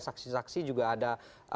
saksi saksi juga ada